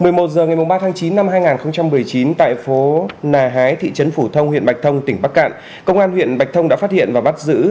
một mươi một h ngày ba tháng chín năm hai nghìn một mươi chín tại phố nà hái thị trấn phủ thông huyện bạch thông tỉnh bắc cạn công an huyện bạch thông đã phát hiện và bắt giữ